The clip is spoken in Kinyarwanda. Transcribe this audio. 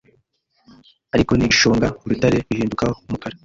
ariko ntigishonga urutare ruhinduka umukara